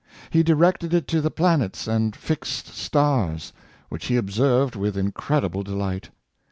He directed it to the planets and fixed stars, which he observed with " in credible delight."